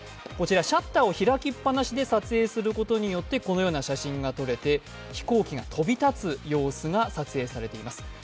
こちらシャッターを開きっぱなしで撮影することによってこのような写真が撮れて飛行機が飛び立つ様子が撮影されています。